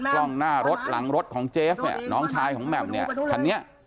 กล้องหน้ารถหลังรถของเจฟเนี่ยน้องชายของแหม่มเนี่ยคันนี้